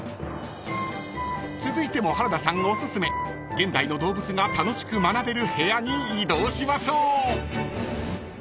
［続いても原田さんおすすめ現代の動物が楽しく学べる部屋に移動しましょう］